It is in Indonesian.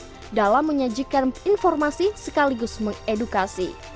dan juga sebagai alat dalam menyajikan informasi sekaligus mengedukasi